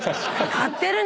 買ってるね！